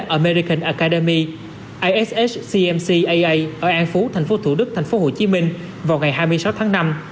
american academy ishcmcaa ở an phú tp thủ đức tp hcm vào ngày hai mươi sáu tháng năm